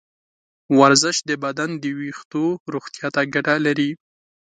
ورزش د بدن د ویښتو روغتیا ته ګټه لري.